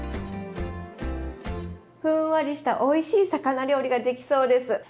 ふんわりしたおいしい魚料理ができそうです。